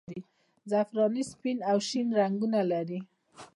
زعفراني سپین او شین رنګونه لري.